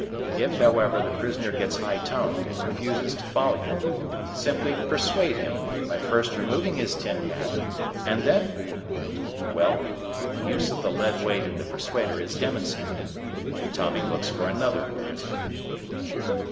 If, however, the prisoner gets high toned and refuses to follow you, simply "persuade" him by first removing his tin hat, and then well, the use of the lead weight in the persuader is demonstrated, and Tommy looks for another prisoner.